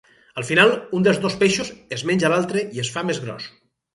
Al final, un dels dos peixos es menja l'altre i es fa més gros.